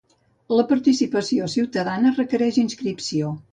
La participació ciutadana requereix inscripció.